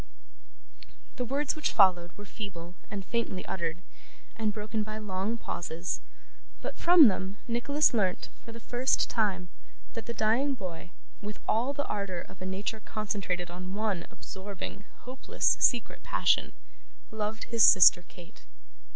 The words which followed were feebly and faintly uttered, and broken by long pauses; but, from them, Nicholas learnt, for the first time, that the dying boy, with all the ardour of a nature concentrated on one absorbing, hopeless, secret passion, loved his sister Kate.